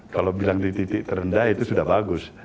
kalau bilang di titik terendah itu sudah bagus